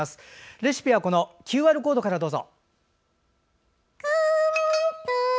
レシピはＱＲコードからどうぞ。